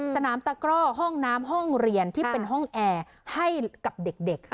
สนามตะกร่อห้องน้ำห้องเรียนที่เป็นห้องแอร์ให้กับเด็ก